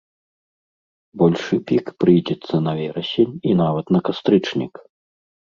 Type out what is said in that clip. Большы пік прыйдзецца на верасень і нават на кастрычнік.